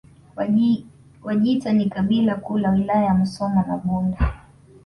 Wajita ni kabila kuu la Wilaya ya Musoma na Bunda